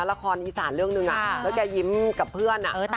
ในลักษณรกรในอิสานเรื่องหนึ่งแล้วใกรยิ้มกับเพื่อน